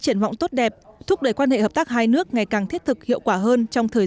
triển vọng tốt đẹp thúc đẩy quan hệ hợp tác hai nước ngày càng thiết thực hiệu quả hơn trong thời